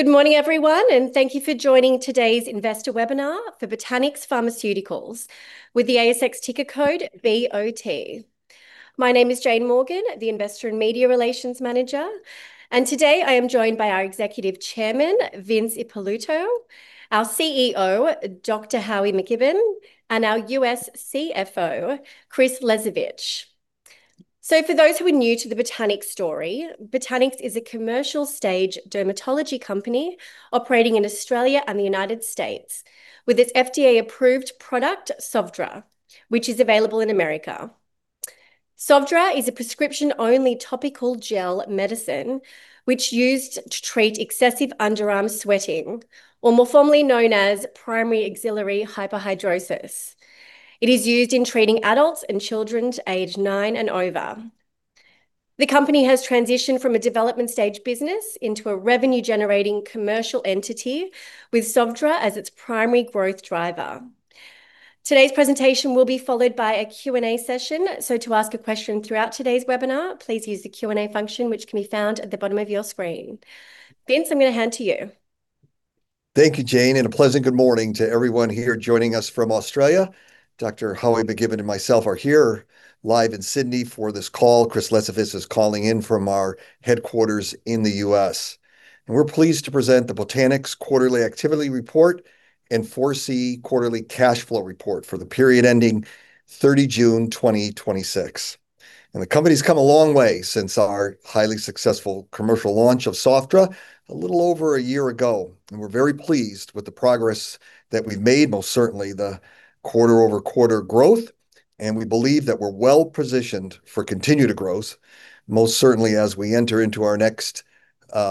Good morning, everyone. Thank you for joining today's investor webinar for Botanix Pharmaceuticals, with the ASX ticker code BOT. My name is Jane Morgan, the Investor and Media Relations Manager. Today I am joined by our Executive Chairman, Vince Ippolito, our CEO, Dr. Howie McKibbon, and our U.S. CFO, Chris Lesovitz. For those who are new to the Botanix story. Botanix is a commercial stage dermatology company operating in Australia and the U.S., with its FDA-approved product, Sofdra, which is available in America. Sofdra is a prescription-only topical gel medicine which used to treat excessive underarm sweating, or more formally known as primary axillary hyperhidrosis. It is used in treating adults and children aged nine and over. The company has transitioned from a development stage business into a revenue-generating commercial entity, with Sofdra as its primary growth driver. Today's presentation will be followed by a Q&A session. To ask a question throughout today's webinar, please use the Q&A function, which can be found at the bottom of your screen. Vince, I'm going to hand to you. Thank you, Jane, and a pleasant good morning to everyone here joining us from Australia. Dr. Howie McKibbon and myself are here live in Sydney for this call. Chris Lesovitz is calling in from our headquarters in the U.S. We're pleased to present the Botanix quarterly activity report and 4C quarterly cash flow report for the period ending 30 June 2026. The company's come a long way since our highly successful commercial launch of Sofdra a little over a year ago. We're very pleased with the progress that we've made, most certainly the quarter-over-quarter growth, and we believe that we're well-positioned for continued growth, most certainly as we enter into our next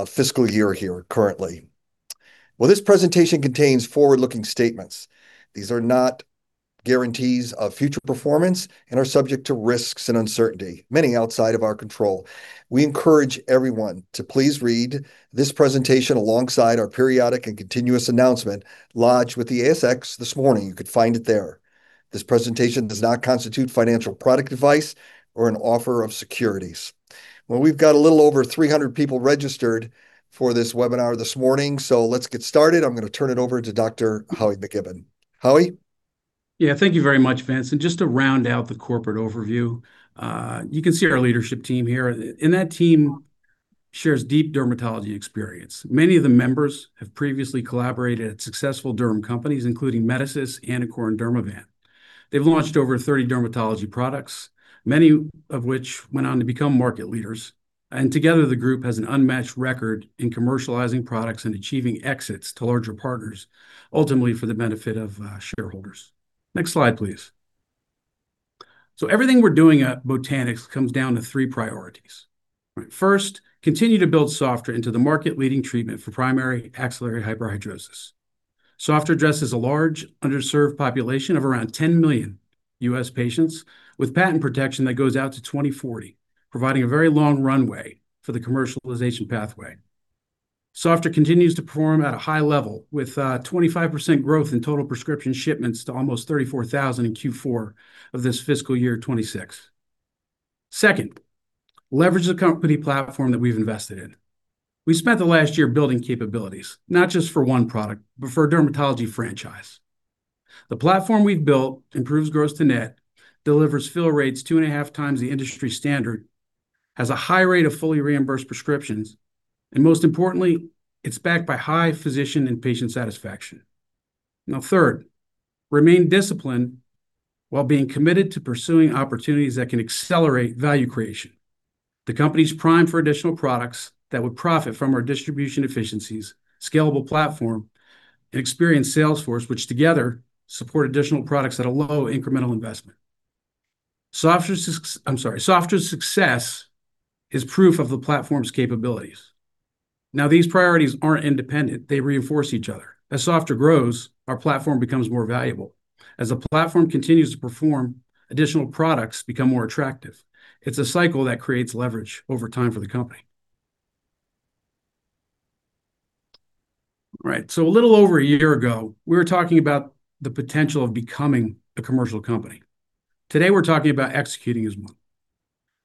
fiscal year here currently. Well, this presentation contains forward-looking statements. These are not guarantees of future performance and are subject to risks and uncertainty, many outside of our control. We encourage everyone to please read this presentation alongside our periodic and continuous announcement lodged with the ASX this morning. You could find it there. This presentation does not constitute financial product advice or an offer of securities. Well, we've got a little over 300 people registered for this webinar this morning, so let's get started. I'm going to turn it over to Dr. Howie McKibbon. Howie? Thank you very much, Vince. Just to round out the corporate overview, you can see our leadership team here, and that team shares deep dermatology experience. Many of the members have previously collaborated at successful derm companies, including Medicis, Anacor, and Dermavant. They've launched over 30 dermatology products, many of which went on to become market leaders. Together, the group has an unmatched record in commercializing products and achieving exits to larger partners, ultimately for the benefit of shareholders. Next slide, please. Everything we're doing at Botanix comes down to three priorities, right? First, continue to build Sofdra into the market leading treatment for primary axillary hyperhidrosis. Sofdra addresses a large underserved population of around 10 million U.S. patients, with patent protection that goes out to 2040, providing a very long runway for the commercialization pathway. Sofdra continues to perform at a high level, with 25% growth in total prescription shipments to almost 34,000 in Q4 of this fiscal year 2026. Second, leverage the company platform that we've invested in. We spent the last year building capabilities, not just for one product, but for a dermatology franchise. The platform we've built improves gross-to-net, delivers fill rates 2.5x the industry standard, has a high rate of fully reimbursed prescriptions, and most importantly, it's backed by high physician and patient satisfaction. Third, remain disciplined while being committed to pursuing opportunities that can accelerate value creation. The company's primed for additional products that would profit from our distribution efficiencies, scalable platform, and experienced sales force, which together support additional products at a low incremental investment. Sofdra's success is proof of the platform's capabilities. These priorities aren't independent. They reinforce each other. As Sofdra grows, our platform becomes more valuable. As the platform continues to perform, additional products become more attractive. It's a cycle that creates leverage over time for the company. A little over a year ago, we were talking about the potential of becoming a commercial company. Today, we're talking about executing as one.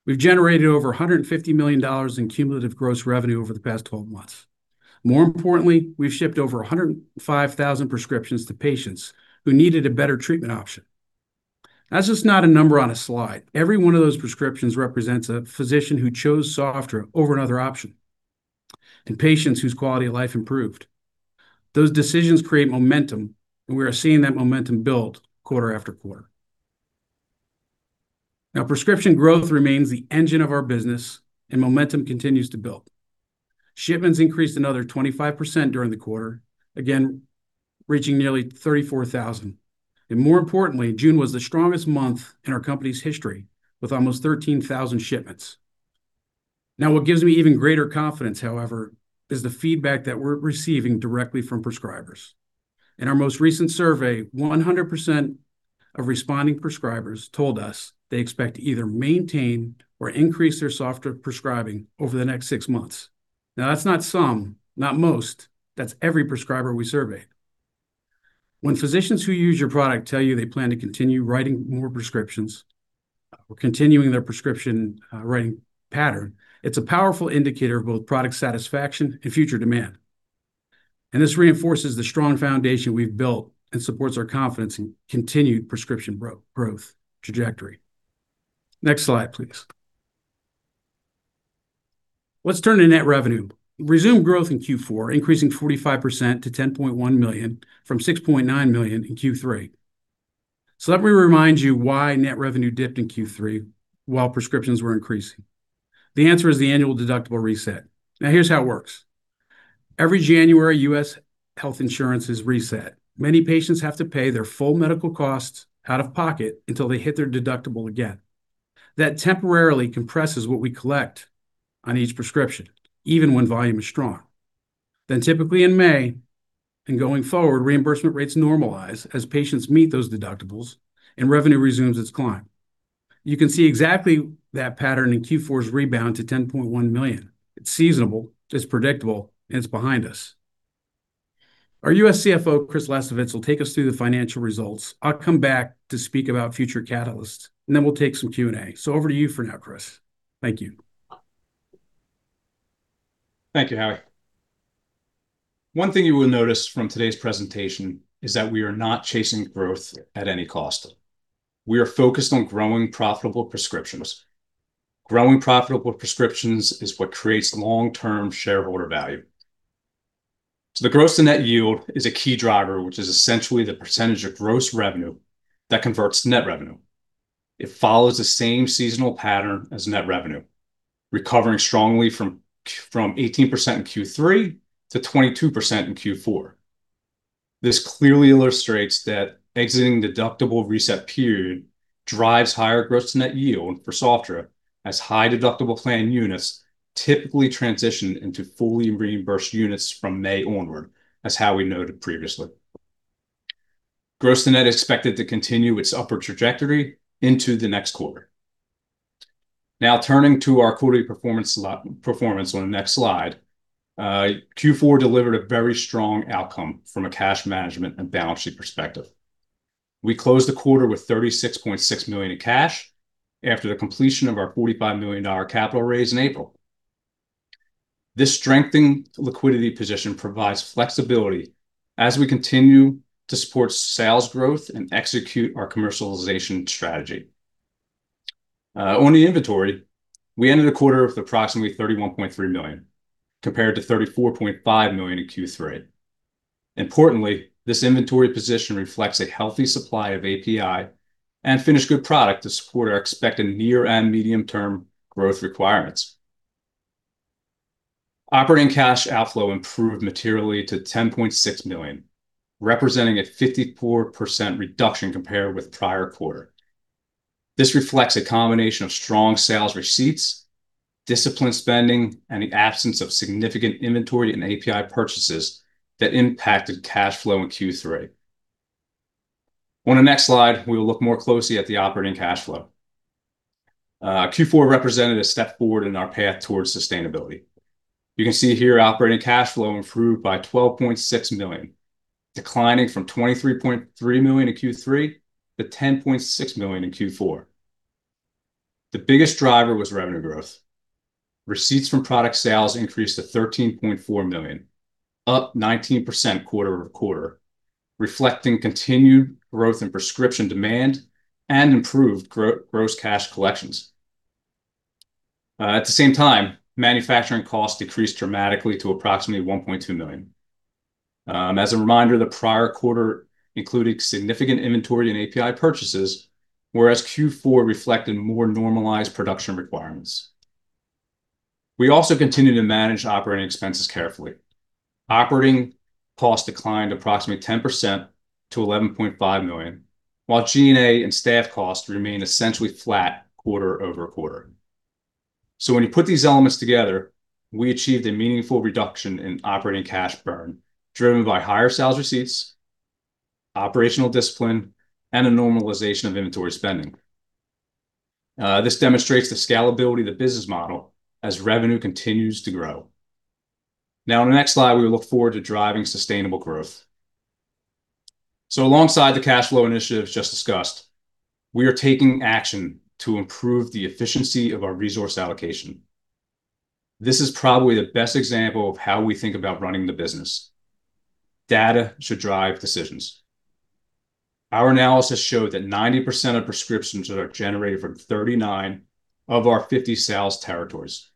We've generated over $150 million in cumulative gross revenue over the past 12 months. More importantly, we've shipped over 105,000 prescriptions to patients who needed a better treatment option. That's just not a number on a slide. Every one of those prescriptions represents a physician who chose Sofdra over another option, and patients whose quality of life improved. Those decisions create momentum, and we are seeing that momentum build quarter after quarter. Prescription growth remains the engine of our business, and momentum continues to build. Shipments increased another 25% during the quarter, again, reaching nearly 34,000. More importantly, June was the strongest month in our company's history, with almost 13,000 shipments. What gives me even greater confidence, however, is the feedback that we're receiving directly from prescribers. In our most recent survey, 100% of responding prescribers told us they expect to either maintain or increase their Sofdra prescribing over the next six months. That's not some, not most, that's every prescriber we surveyed. When physicians who use your product tell you they plan to continue writing more prescriptions, or continuing their prescription writing pattern, it's a powerful indicator of both product satisfaction and future demand. This reinforces the strong foundation we've built and supports our confidence in continued prescription growth trajectory. Next slide, please. Let's turn to net revenue. Resumed growth in Q4, increasing 45% to $10.1 million from $6.9 million in Q3. Let me remind you why net revenue dipped in Q3 while prescriptions were increasing. The answer is the annual deductible reset. Here's how it works. Every January, U.S. health insurance is reset. Many patients have to pay their full medical costs out of pocket until they hit their deductible again. That temporarily compresses what we collect on each prescription, even when volume is strong. Typically in May and going forward, reimbursement rates normalize as patients meet those deductibles and revenue resumes its climb. You can see exactly that pattern in Q4's rebound to $10.1 million. It's seasonable, it's predictable, and it's behind us. Our U.S. CFO, Chris Lesovitz, will take us through the financial results. I'll come back to speak about future catalysts, and then we'll take some Q&A. Over to you for now, Chris. Thank you. Thank you, Howie. One thing you will notice from today's presentation is that we are not chasing growth at any cost. We are focused on growing profitable prescriptions. Growing profitable prescriptions is what creates long-term shareholder value. The gross-to-net yield is a key driver, which is essentially the percentage of gross revenue that converts to net revenue. It follows the same seasonal pattern as net revenue, recovering strongly from 18% in Q3 to 22% in Q4. This clearly illustrates that exiting deductible reset period drives higher gross-to-net yield for Sofdra, as high-deductible plan units typically transition into fully reimbursed units from May onward, as Howie noted previously. Gross-to-net expected to continue its upward trajectory into the next quarter. Turning to our quarterly performance on the next slide. Q4 delivered a very strong outcome from a cash management and balance sheet perspective. We closed the quarter with $36.6 million in cash after the completion of our $45 million capital raise in April. This strengthening liquidity position provides flexibility as we continue to support sales growth and execute our commercialization strategy. On the inventory, we ended the quarter with approximately $31.3 million, compared to $34.5 million in Q3. Importantly, this inventory position reflects a healthy supply of API and finished good product to support our expected near and medium-term growth requirements. Operating cash outflow improved materially to $10.6 million, representing a 54% reduction compared with the prior quarter. This reflects a combination of strong sales receipts, disciplined spending, and the absence of significant inventory and API purchases that impacted cash flow in Q3. On the next slide, we will look more closely at the operating cash flow. Q4 represented a step forward in our path towards sustainability. You can see here operating cash flow improved by $12.6 million, declining from $23.3 million in Q3 to $10.6 million in Q4. The biggest driver was revenue growth. Receipts from product sales increased to $13.4 million, up 19% quarter-over-quarter, reflecting continued growth in prescription demand and improved gross cash collections. At the same time, manufacturing costs decreased dramatically to approximately $1.2 million. As a reminder, the prior quarter included significant inventory and API purchases, whereas Q4 reflected more normalized production requirements. We also continue to manage operating expenses carefully. Operating costs declined approximately 10% to $11.5 million, while G&A and staff costs remained essentially flat quarter-over-quarter. When you put these elements together, we achieved a meaningful reduction in operating cash burn, driven by higher sales receipts, operational discipline, and a normalization of inventory spending. This demonstrates the scalability of the business model as revenue continues to grow. On the next slide, we will look forward to driving sustainable growth. Alongside the cash flow initiatives just discussed, we are taking action to improve the efficiency of our resource allocation. This is probably the best example of how we think about running the business. Data should drive decisions. Our analysis showed that 90% of prescriptions are generated from 39 of our 50 sales territories.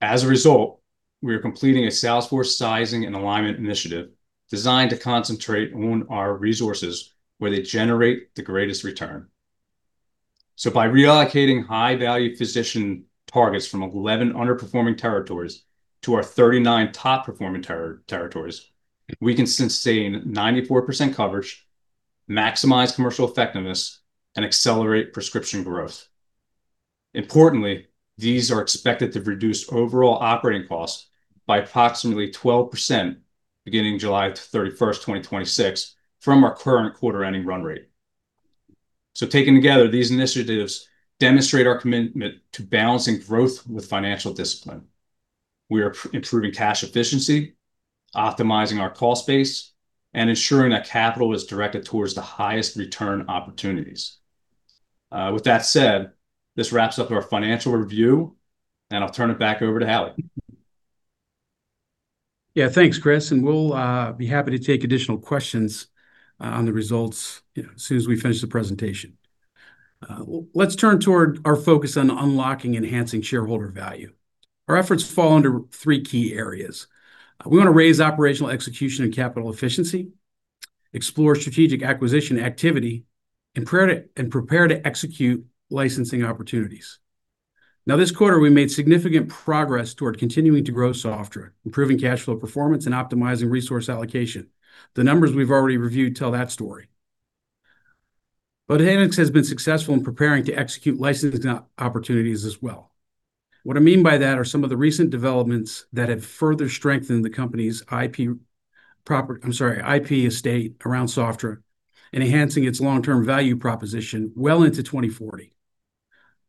As a result, we are completing a sales force sizing and alignment initiative designed to concentrate on our resources where they generate the greatest return. By reallocating high-value physician targets from 11 underperforming territories to our 39 top-performing territories, we can sustain 94% coverage, maximize commercial effectiveness, and accelerate prescription growth. Importantly, these are expected to reduce overall operating costs by approximately 12% beginning July 31st, 2026, from our current quarter ending run rate. Taken together, these initiatives demonstrate our commitment to balancing growth with financial discipline. We are improving cash efficiency, optimizing our call space, and ensuring that capital is directed towards the highest return opportunities. With that said, this wraps up our financial review, and I'll turn it back over to Howie. Thanks, Chris, and we'll be happy to take additional questions on the results as soon as we finish the presentation. Let's turn toward our focus on unlocking enhancing shareholder value. Our efforts fall under three key areas. We want to raise operational execution and capital efficiency, explore strategic acquisition activity, and prepare to execute licensing opportunities. This quarter, we made significant progress toward continuing to grow Sofdra, improving cash flow performance, and optimizing resource allocation. The numbers we've already reviewed tell that story. Botanix has been successful in preparing to execute licensing opportunities as well. What I mean by that are some of the recent developments that have further strengthened the company's IP estate around Sofdra and enhancing its long-term value proposition well into 2040.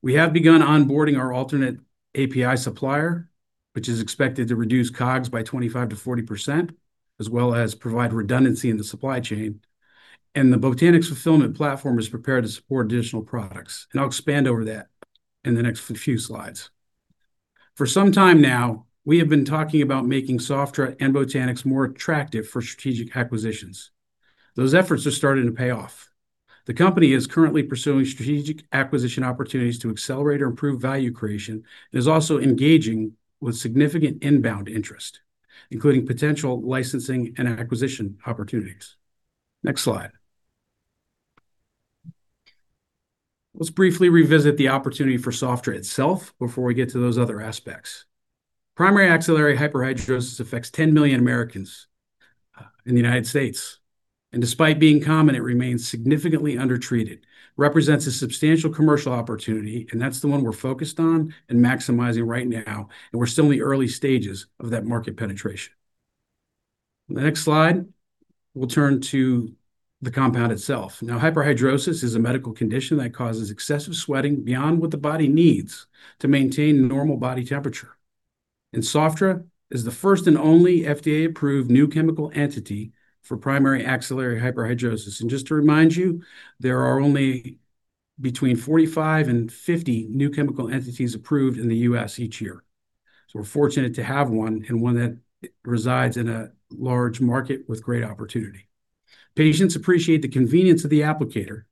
We have begun onboarding our alternate API supplier, which is expected to reduce COGS by 25%-40%, as well as provide redundancy in the supply chain. The Botanix fulfillment platform is prepared to support additional products, and I'll expand over that in the next few slides. For some time now, we have been talking about making Sofdra and Botanix more attractive for strategic acquisitions. Those efforts are starting to pay off. The company is currently pursuing strategic acquisition opportunities to accelerate or improve value creation and is also engaging with significant inbound interest, including potential licensing and acquisition opportunities. Next slide. Let's briefly revisit the opportunity for Sofdra itself before we get to those other aspects. Primary axillary hyperhidrosis affects 10 million Americans in the United States, despite being common, it remains significantly undertreated. Represents a substantial commercial opportunity, that's the one we're focused on and maximizing right now, we're still in the early stages of that market penetration. The next slide, we'll turn to the compound itself. Hyperhidrosis is a medical condition that causes excessive sweating beyond what the body needs to maintain a normal body temperature. Sofdra is the first and only FDA-approved new chemical entity for primary axillary hyperhidrosis. Just to remind you, there are only between 45 and 50 new chemical entities approved in the U.S. each year. We're fortunate to have one and one that resides in a large market with great opportunity. Patients appreciate the convenience of the applicator.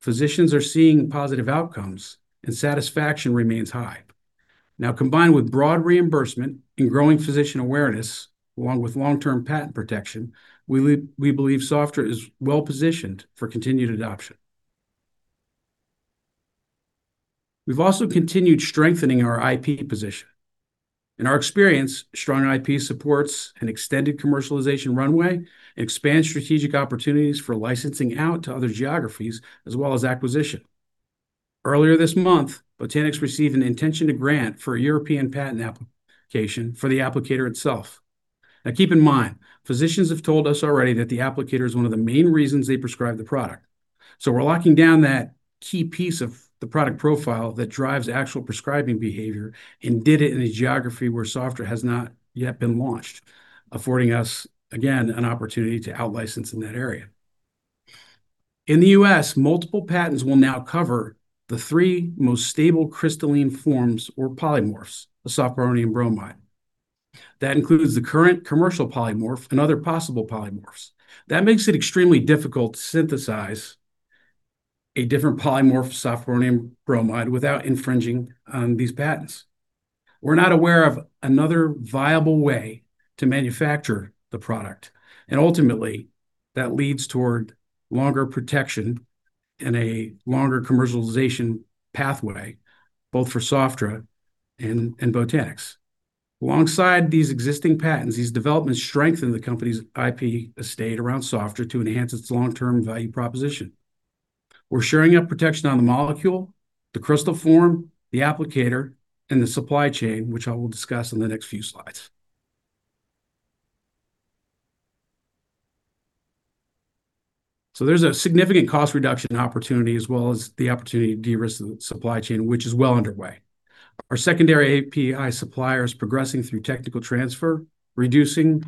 Physicians are seeing positive outcomes, and satisfaction remains high. Combined with broad reimbursement and growing physician awareness, along with long-term patent protection, we believe Sofdra is well-positioned for continued adoption. We've also continued strengthening our IP position. In our experience, strong IP supports an extended commercialization runway and expands strategic opportunities for licensing out to other geographies as well as acquisition. Earlier this month, Botanix received an intention to grant for a European patent application for the applicator itself. Keep in mind, physicians have told us already that the applicator is one of the main reasons they prescribe the product. We're locking down that key piece of the product profile that drives actual prescribing behavior and did it in a geography where Sofdra has not yet been launched, affording us, again, an opportunity to out-license in that area. In the U.S., multiple patents will now cover the three most stable crystalline forms or polymorphs of sofpironium bromide. That includes the current commercial polymorph and other possible polymorphs. That makes it extremely difficult to synthesize a different polymorph of sofpironium bromide without infringing on these patents. We're not aware of another viable way to manufacture the product, ultimately, that leads toward longer protection and a longer commercialization pathway, both for Sofdra and Botanix. Alongside these existing patents, these developments strengthen the company's IP estate around Sofdra to enhance its long-term value proposition. We're shoring up protection on the molecule, the crystal form, the applicator, and the supply chain, which I will discuss in the next few slides. There's a significant cost reduction opportunity, as well as the opportunity to de-risk the supply chain, which is well underway. Our secondary API supplier is progressing through technical transfer, recently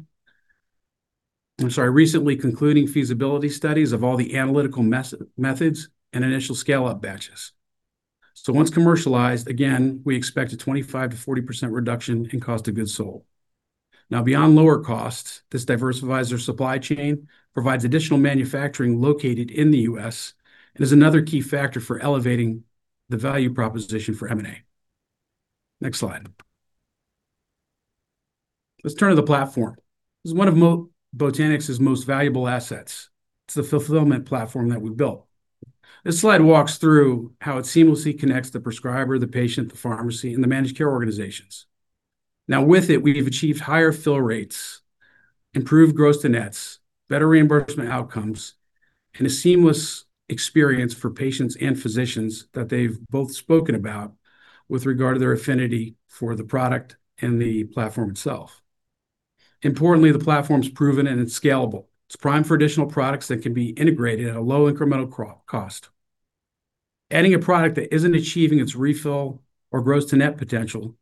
concluding feasibility studies of all the analytical methods and initial scale-up batches. Once commercialized, again, we expect a 25%-40% reduction in cost of goods sold. Beyond lower costs, this diversifies their supply chain, provides additional manufacturing located in the U.S., and is another key factor for elevating the value proposition for M&A. Next slide. Let's turn to the platform. This is one of Botanix's most valuable assets. It's the fulfillment platform that we built. This slide walks through how it seamlessly connects the prescriber, the patient, the pharmacy, and the managed care organizations. With it, we've achieved higher fill rates, improved gross-to-nets, better reimbursement outcomes, and a seamless experience for patients and physicians that they've both spoken about with regard to their affinity for the product and the platform itself. Importantly, the platform's proven and it's scalable. It's prime for additional products that can be integrated at a low incremental cost. Adding a product that isn't achieving its refill or gross-to-net potential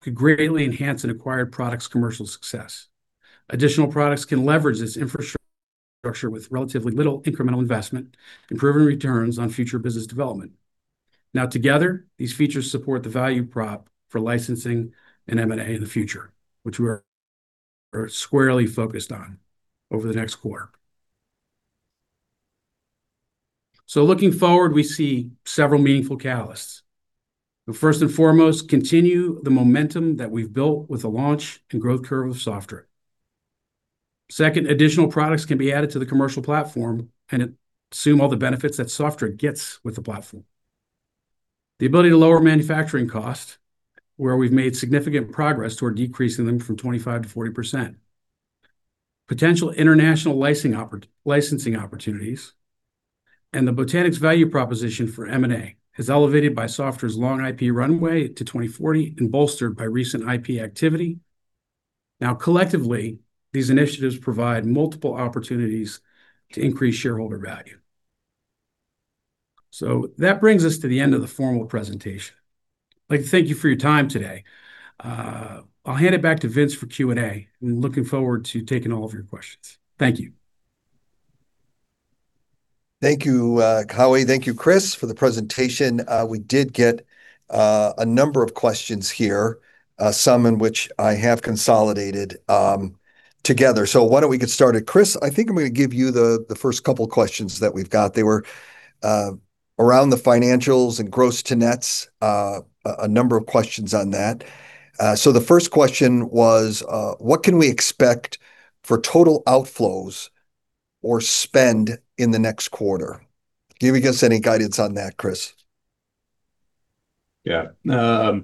could greatly enhance an acquired product's commercial success. Additional products can leverage this infrastructure with relatively little incremental investment, improving returns on future business development. Together, these features support the value prop for licensing and M&A in the future, which we are squarely focused on over the next quarter. Looking forward, we see several meaningful catalysts. First and foremost, continue the momentum that we've built with the launch and growth curve of Sofdra. Second, additional products can be added to the commercial platform and assume all the benefits that Sofdra gets with the platform. The ability to lower manufacturing costs, where we've made significant progress toward decreasing them from 25%-40%. Potential international licensing opportunities, the Botanix value proposition for M&A is elevated by Sofdra's long IP runway to 2040 and bolstered by recent IP activity. Collectively, these initiatives provide multiple opportunities to increase shareholder value. That brings us to the end of the formal presentation. I'd like to thank you for your time today. I'll hand it back to Vince for Q&A. I'm looking forward to taking all of your questions. Thank you. Thank you, Howie. Thank you, Chris, for the presentation. We did get a number of questions here, some in which I have consolidated together. Why don't we get started. Chris, I think I'm going to give you the first couple questions that we've got. They were around the financials and gross-to-nets, a number of questions on that. The first question was, "What can we expect for total outflows or spend in the next quarter?" Can you give us any guidance on that, Chris? Yeah. As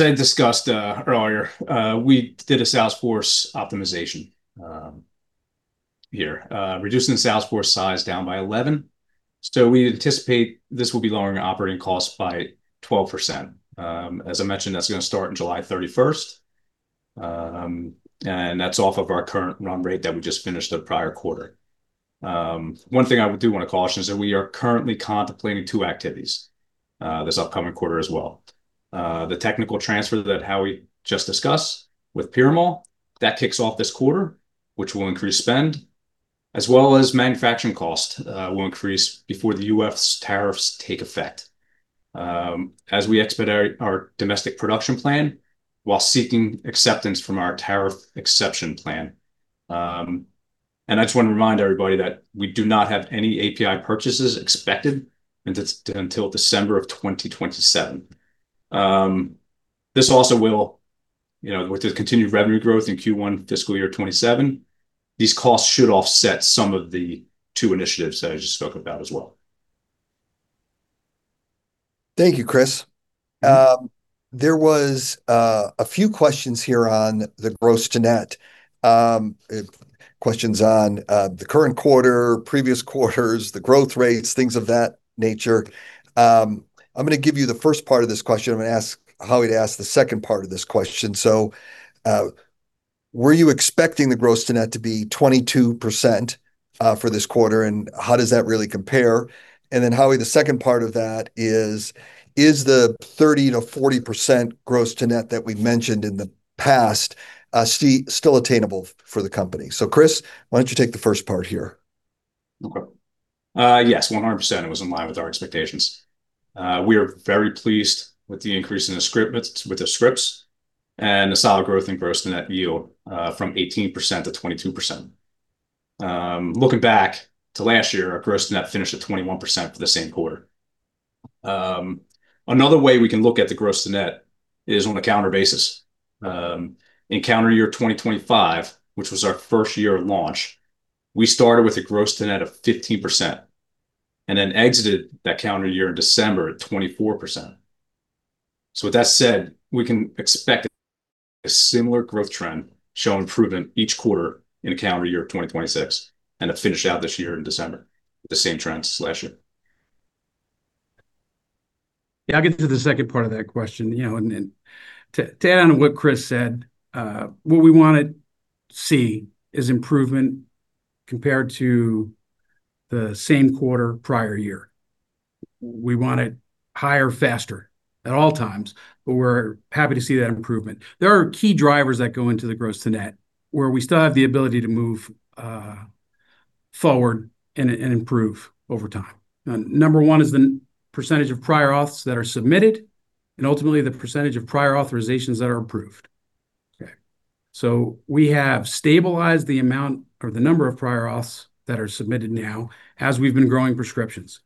I discussed earlier, we did a sales force optimization here, reducing the sales force size down by 11. We anticipate this will be lowering operating costs by 12%. As I mentioned, that's going to start on July 31st, and that's off of our current run rate that we just finished the prior quarter. One thing I do want to caution is that we are currently contemplating two activities this upcoming quarter as well. The technical transfer that Howie just discussed with Piramal, that kicks off this quarter, which will increase spend, as well as manufacturing cost will increase before the U.S. tariffs take effect, as we expedite our domestic production plan while seeking acceptance from our tariff exception plan. I just want to remind everybody that we do not have any API purchases expected until December of 2027. This also will, with the continued revenue growth in Q1 fiscal year 2027, these costs should offset some of the two initiatives that I just spoke about as well. Thank you, Chris. There was a few questions here on the gross-to-net. Questions on the current quarter, previous quarters, the growth rates, things of that nature. I'm going to give you the first part of this question, I'm going to ask Howie to ask the second part of this question. Were you expecting the gross-to-net to be 22% for this quarter, and how does that really compare? Howie, the second part of that is the 30%-40% gross-to-net that we mentioned in the past still attainable for the company? Chris, why don't you take the first part here? Okay. Yes, 100% it was in line with our expectations. We are very pleased with the increase with the scripts and the solid growth in gross-to-net yield from 18%-22%. Looking back to last year, our gross-to-net finished at 21% for the same quarter. Another way we can look at the gross-to-net is on a calendar basis. In calendar year 2025, which was our first year of launch, we started with a gross-to-net of 15%, and then exited that calendar year in December at 24%. With that said, we can expect a similar growth trend show improvement each quarter in calendar year 2026, and to finish out this year in December with the same trends as last year. Yeah, I'll get to the second part of that question. To add on to what Chris said, what we want to see is improvement compared to the same quarter prior year. We want it higher, faster at all times. We're happy to see that improvement. There are key drivers that go into the gross-to-net, where we still have the ability to move forward and improve over time. Number one is the percentage of prior auths that are submitted, and ultimately, the percentage of prior authorizations that are approved. We have stabilized the amount, or the number of prior auths that are submitted now, as we've been growing prescriptions.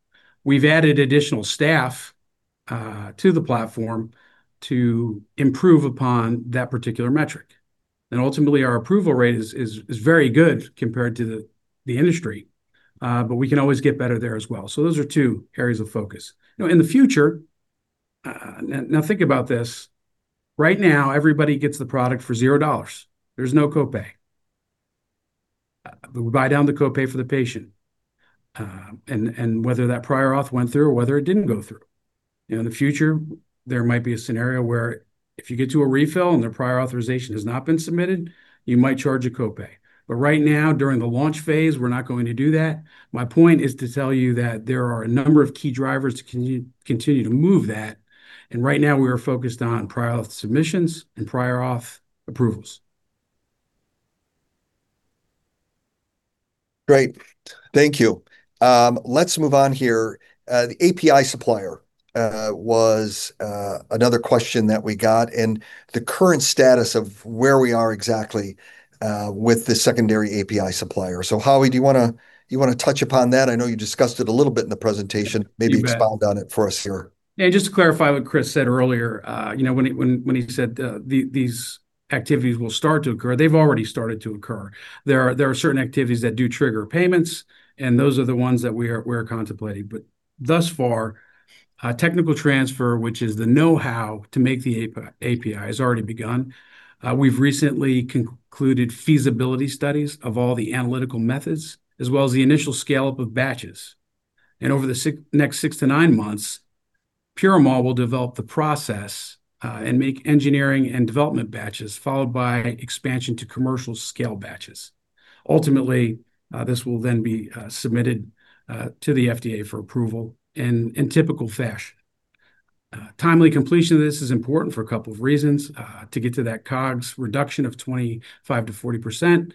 We've added additional staff to the platform to improve upon that particular metric. Ultimately, our approval rate is very good compared to the industry, but we can always get better there as well. Those are two areas of focus. In the future, now think about this. Right now, everybody gets the product for $0. There's no copay. We buy down the copay for the patient, and whether that prior auth went through or whether it didn't go through. In the future, there might be a scenario where if you get to a refill and their prior authorization has not been submitted, you might charge a copay. Right now, during the launch phase, we're not going to do that. My point is to tell you that there are a number of key drivers to continue to move that, and right now we are focused on prior auths submissions and prior auth approvals. Great. Thank you. Let's move on here. The API supplier was another question that we got, and the current status of where we are exactly with the secondary API supplier. Howie, do you want to touch upon that? I know you discussed it a little bit in the presentation. You bet. Maybe expound on it for us here. Yeah, just to clarify what Chris said earlier, when he said these activities will start to occur, they've already started to occur. There are certain activities that do trigger payments, and those are the ones that we're contemplating. Thus far, technical transfer, which is the know-how to make the API, has already begun. We've recently concluded feasibility studies of all the analytical methods, as well as the initial scale-up of batches. Over the next six to nine months, Piramal will develop the process and make engineering and development batches, followed by expansion to commercial scale batches. Ultimately, this will then be submitted to the FDA for approval in typical fashion. Timely completion of this is important for a couple of reasons, to get to that COGS reduction of 25%-40%,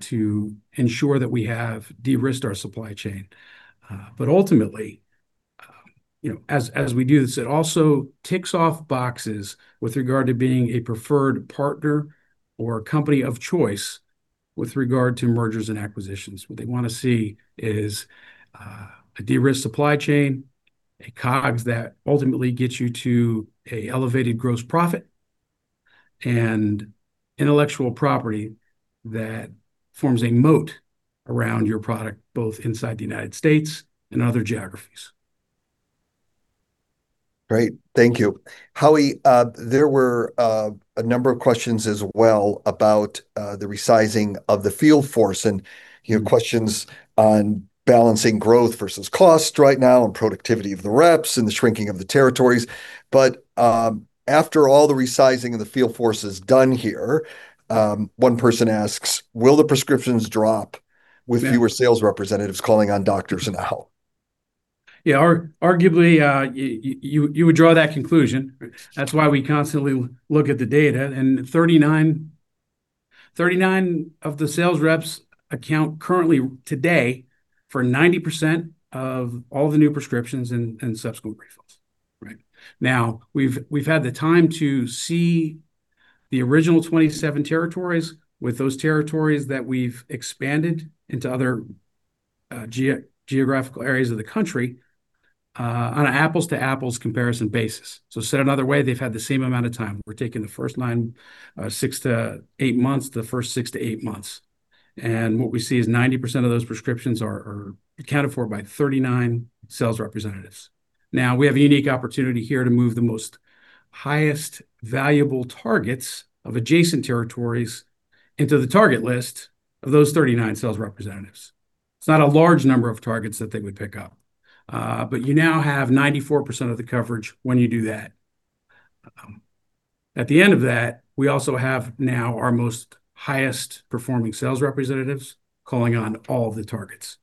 to ensure that we have de-risked our supply chain. Ultimately, as we do this, it also ticks off boxes with regard to being a preferred partner or company of choice with regard to mergers and acquisitions. What they want to see is a de-risked supply chain, a COGS that ultimately gets you to a elevated gross profit, and intellectual property that forms a moat around your product, both inside the United States and other geographies. Great. Thank you. Howie, there were a number of questions as well about the resizing of the field force, and questions on balancing growth versus cost right now, and productivity of the reps and the shrinking of the territories. After all the resizing of the field force is done here, one person asks, "Will the prescriptions drop? Fewer sales representatives calling on doctors now? Yeah. Arguably, you would draw that conclusion. That's why we constantly look at the data, 39 of the sales reps account currently today for 90% of all the new prescriptions and subsequent refills. Right. We've had the time to see the original 27 territories with those territories that we've expanded into other geographical areas of the country on an apples to apples comparison basis. Said another way, they've had the same amount of time. We're taking the first six to eight months. What we see is 90% of those prescriptions are accounted for by 39 sales representatives. We have a unique opportunity here to move the most highest valuable targets of adjacent territories into the target list of those 39 sales representatives. It's not a large number of targets that they would pick up, but you now have 94% of the coverage when you do that. At the end of that, we also have now our most highest performing sales representatives calling on all of the targets.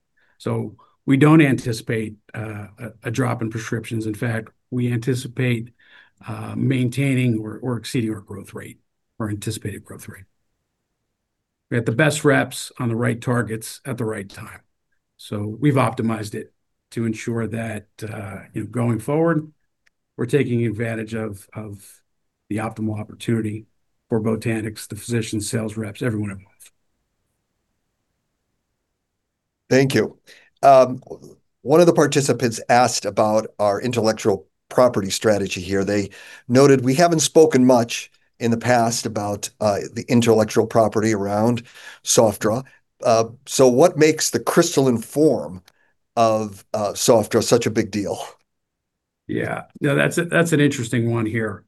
We don't anticipate a drop in prescriptions. In fact, we anticipate maintaining or exceeding our growth rate or anticipated growth rate. We have the best reps on the right targets at the right time. We've optimized it to ensure that going forward, we're taking advantage of the optimal opportunity for Botanix, the physician sales reps, everyone involved. Thank you. One of the participants asked about our intellectual property strategy here. They noted, "We haven't spoken much in the past about the intellectual property around Sofdra. What makes the crystalline form of Sofdra such a big deal? Yeah. No, that's an interesting one here.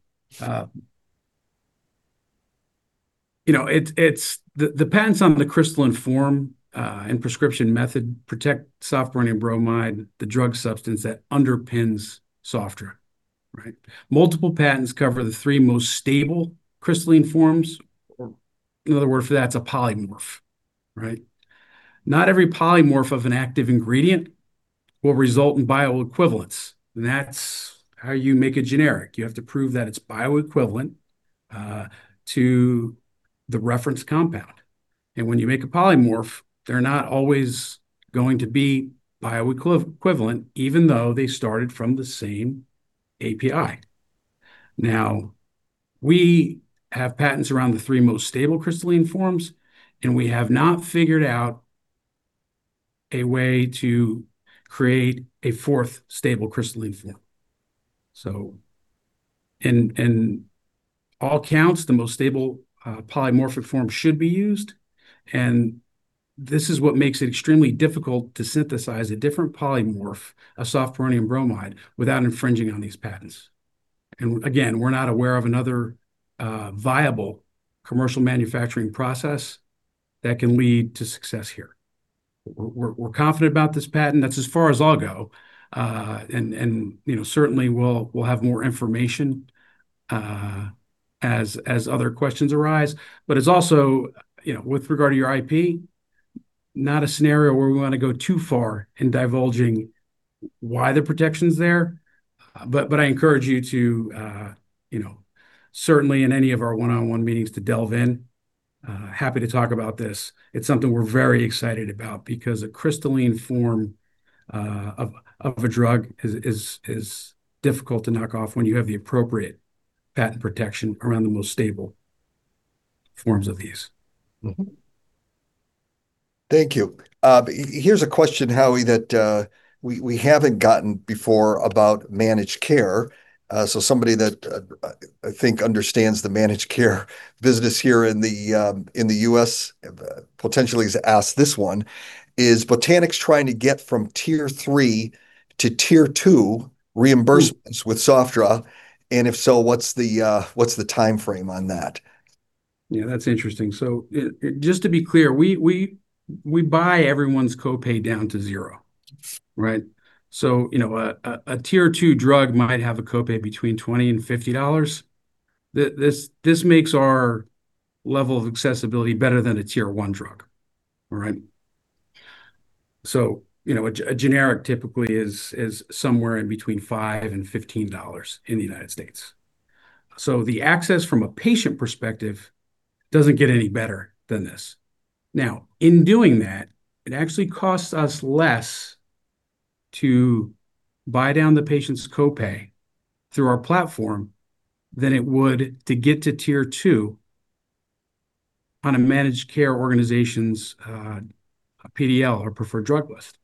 The patents on the crystalline form and prescription method protect sofpironium bromide, the drug substance that underpins Sofdra, right? Multiple patents cover the three most stable crystalline forms, or another word for that is a polymorph, right? Not every polymorph of an active ingredient will result in bioequivalence, and that's how you make a generic. You have to prove that it's bioequivalent to the reference compound. When you make a polymorph, they're not always going to be bioequivalent, even though they started from the same API. We have patents around the three most stable crystalline forms, and we have not figured out a way to create a fourth stable crystalline form. In all counts, the most stable polymorphic form should be used, and this is what makes it extremely difficult to synthesize a different polymorph of sofpironium bromide without infringing on these patents. Again, we're not aware of another viable commercial manufacturing process that can lead to success here. We're confident about this patent. That's as far as I'll go. Certainly, we'll have more information as other questions arise. But it's also, with regard to your IP, not a scenario where we want to go too far in divulging why the protection's there. But I encourage you to certainly in any of our one-on-one meetings to delve in. Happy to talk about this. It's something we're very excited about, because a crystalline form of a drug is difficult to knock off when you have the appropriate patent protection around the most stable forms of these. Thank you. Here's a question, Howie, that we haven't gotten before about managed care. Somebody that I think understands the managed care business here in the U.S. potentially has asked this one. Is Botanix trying to get from Tier 3-Tier 2 reimbursements with Sofdra? If so, what's the timeframe on that? That's interesting. Just to be clear, we buy everyone's copay down to zero, right? A Tier 2 drug might have a copay between $20 and $50. This makes our level of accessibility better than a Tier 1 drug. All right? A generic typically is somewhere in between $5 and $15 in the United States. The access from a patient perspective doesn't get any better than this. In doing that, it actually costs us less to buy down the patient's copay through our platform than it would to get to Tier 2 on a managed care organization's PDL, or preferred drug list.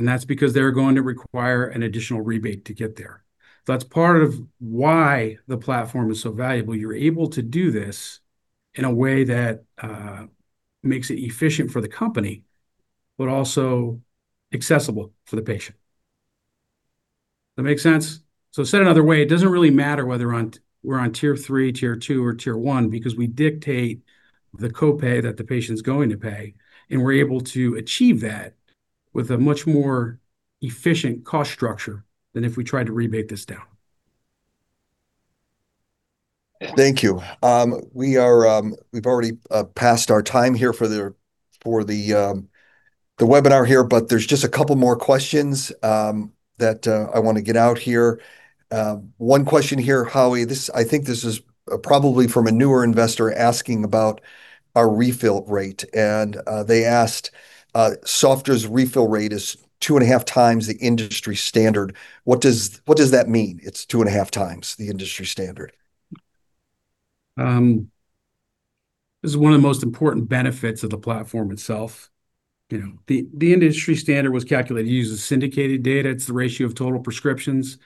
That's because they're going to require an additional rebate to get there. That's part of why the platform is so valuable. You're able to do this in a way that makes it efficient for the company, but also accessible for the patient. That make sense? Said another way, it doesn't really matter whether we're on Tier 3, Tier 2, or Tier 1, because we dictate the copay that the patient's going to pay, and we're able to achieve that with a much more efficient cost structure than if we tried to rebate this down. Thank you. We've already passed our time here for the webinar here, there's just a couple more questions that I want to get out here. One question here, Howie, I think this is probably from a newer investor asking about a refill rate, and they asked, "Sofdra's refill rate is 2.5x the industry standard. What does that mean? It's 2.5x the industry standard. This is one of the most important benefits of the platform itself. The industry standard was calculated using syndicated data. It's the ratio of total prescriptions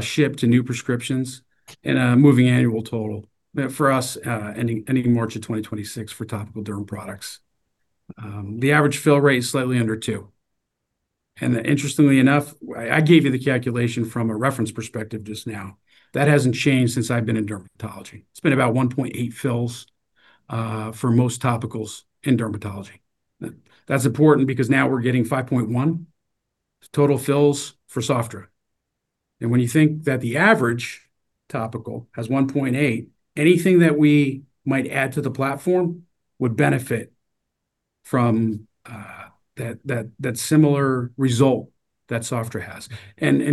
shipped to new prescriptions in a moving annual total. For us, ending March of 2026 for topical derm products. The average fill rate is slightly under two. Interestingly enough, I gave you the calculation from a reference perspective just now. That hasn't changed since I've been in dermatology. It's been about 1.8 fills for most topicals in dermatology. That's important because now we're getting 5.1 total fills for Sofdra. When you think that the average topical has 1.8, anything that we might add to the platform would benefit from that similar result that Sofdra has.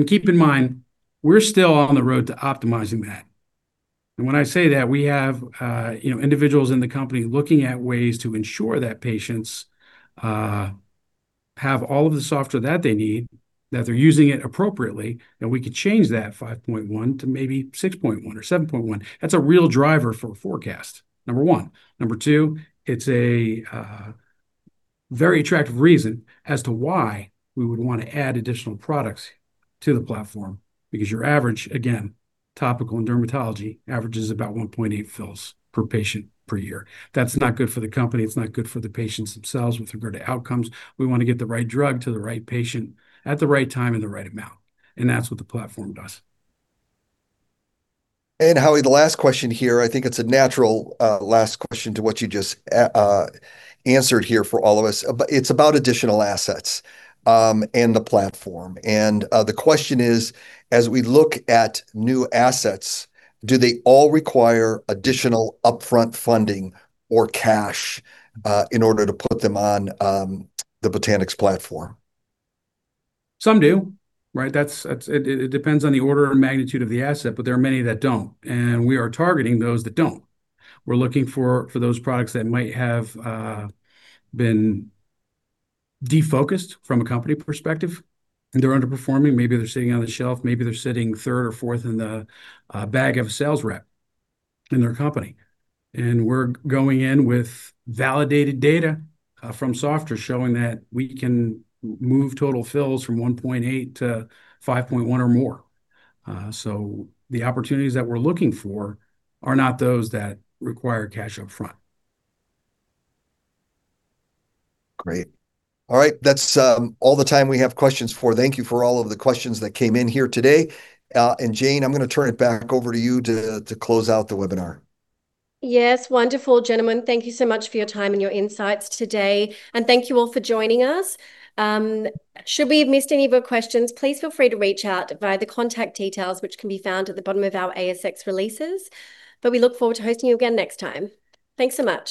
Keep in mind, we're still on the road to optimizing that. When I say that, we have individuals in the company looking at ways to ensure that patients have all of the Sofdra that they need, that they're using it appropriately, we could change that 5.1 to maybe 6.1 or 7.1. That's a real driver for forecast, number one. Number two, it's a very attractive reason as to why we would want to add additional products to the platform, because your average, again, topical and dermatology averages about 1.8 fills per patient per year. That's not good for the company. It's not good for the patients themselves with regard to outcomes. We want to get the right drug to the right patient at the right time in the right amount, that's what the platform does. Howie, the last question here, I think it's a natural last question to what you just answered here for all of us. It's about additional assets and the platform. The question is, "As we look at new assets, do they all require additional upfront funding or cash in order to put them on the Botanix platform? Some do, right? It depends on the order or magnitude of the asset, but there are many that don't, and we are targeting those that don't. We're looking for those products that might have been defocused from a company perspective, and they're underperforming. Maybe they're sitting on the shelf. Maybe they're sitting third or fourth in the bag of a sales rep in their company. We're going in with validated data from Sofdra showing that we can move total fills from 1.8-5.1 or more. The opportunities that we're looking for are not those that require cash up front. Great. All right. That's all the time we have questions for. Thank you for all of the questions that came in here today. Jane, I'm going to turn it back over to you to close out the webinar. Yes. Wonderful. Gentlemen, thank you so much for your time and your insights today, and thank you all for joining us. Should we have missed any of your questions, please feel free to reach out via the contact details, which can be found at the bottom of our ASX releases. We look forward to hosting you again next time. Thanks so much